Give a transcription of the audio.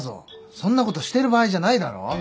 そんなことしてる場合じゃないだろ。